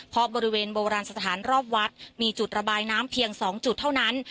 เพราะบริเวณโบราณสถานรอบวัดมีจุดระบายน้ำเพียง๒จุดเท่านั้น